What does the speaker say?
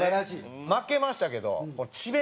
負けましたけど智弁